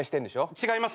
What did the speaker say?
違います。